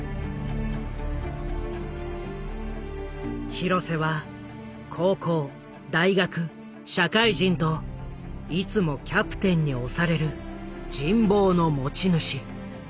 廣瀬は高校大学社会人といつもキャプテンに推される人望の持ち主。